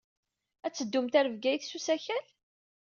Ad teddumt ɣer Bgayet s usakal?